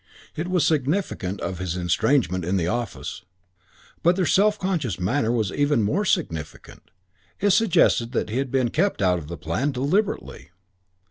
It was significant of his estrangement in the office; but their self conscious manner was even more significant: it suggested that he had been kept out of the plan deliberately.